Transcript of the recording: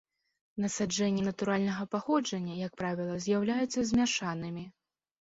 Насаджэнні натуральнага паходжання, як правіла, з'яўляюцца змяшанымі.